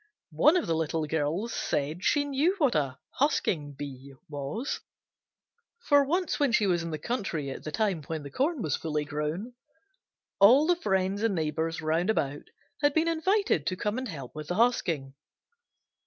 One of the little girls said she knew what a "husking bee" was, for once when she was in the country at the time when the corn was full grown, all the friends and neighbors round about had been invited to come and help with the husking.